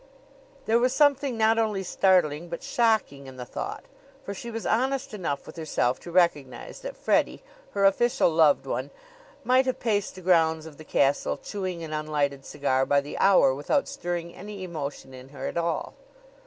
There was something not only startling but shocking in the thought; for she was honest enough with herself to recognize that Freddie, her official loved one, might have paced the grounds of the castle chewing an unlighted cigar by the hour without stirring any emotion in her at all.